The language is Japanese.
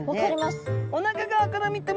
おなか側から見ても。